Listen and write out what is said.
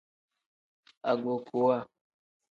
Agbokpowa.